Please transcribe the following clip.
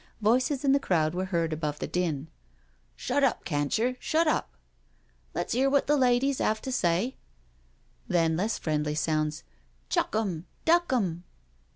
Voices in the crowd were heard above the din: •* Shut up, cantcher — shut up —" Let's hear what the ladies 'ave got to say Then less friendly sounds: " Chuck 'em— duck 'em."